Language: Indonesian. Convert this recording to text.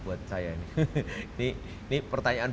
buat saya ini pertanyaan